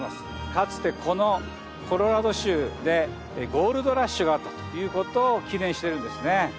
かつてこのコロラド州でゴールドラッシュがあったということを記念してるんですね。